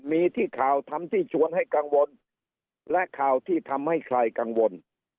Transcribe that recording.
มีที่ข่าวทำที่ชวนให้กังวลและข่าวที่ทำให้ใครกังวล